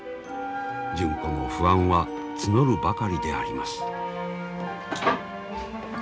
純子の不安は募るばかりであります。